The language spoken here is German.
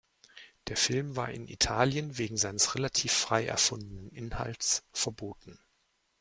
Der Film war in Italien wegen seines relativ frei erfundenen Inhalts verboten.